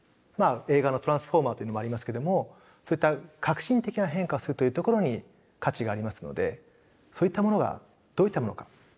まあ映画の「トランスフォーマー」というのもありますけどもそういった革新的な変化をするというところに価値がありますのでそういったものがどういったものか。